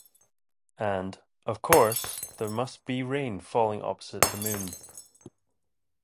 And, of course, there must be rain falling opposite the moon.